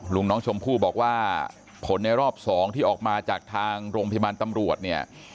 ลุงน้องชมพู่บอกว่าผลในรอบ๒ที่ออกมาจากทางโรงพยาบาลตำรวจเนี่ย